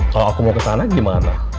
kalau aku mau kesana gimana